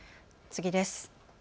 次です。